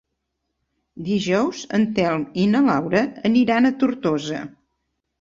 Dijous en Telm i na Laura aniran a Tortosa.